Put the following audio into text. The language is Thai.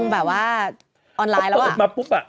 เดี๋ยวเปิดมาปุ๊บอ่ะ